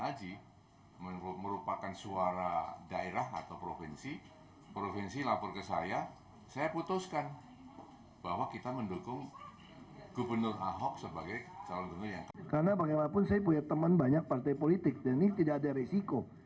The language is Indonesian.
karena bagaimanapun saya punya teman banyak partai politik dan ini tidak ada risiko